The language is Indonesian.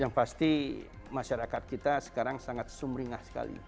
yang pasti masyarakat kita sekarang sangat sumringah sekali